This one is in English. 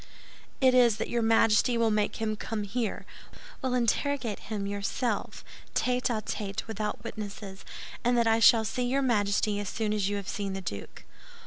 "It is that your Majesty will make him come here, will interrogate him yourself, tête à tête, without witnesses, and that I shall see your Majesty as soon as you have seen the duke."